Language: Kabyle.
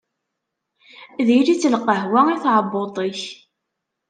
Diri-tt lqahwa i tɛebbuṭ-ik.